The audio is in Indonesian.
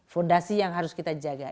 fondasi yang harus kita jaga